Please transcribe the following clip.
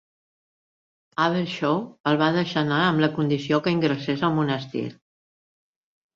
Abbershaw el va deixar anar amb la condició que ingressés al monestir.